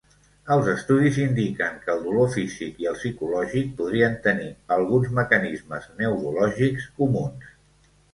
Els estudis indiquen que el dolor físic i el psicològic podrien tenir alguns mecanismes neurològics comuns.